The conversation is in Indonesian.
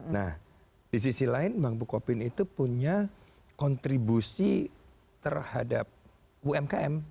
nah di sisi lain bank bukopin itu punya kontribusi terhadap umkm